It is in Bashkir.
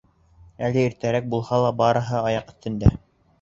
Әле иртәрәк булһа ла, барыһы аяҡ өҫтөндә.